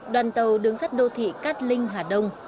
đoàn tàu đường sắt đô thị cát linh hà đông